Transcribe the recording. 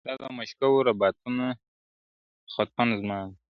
دا د مشکو رباتونه خُتن زما دی-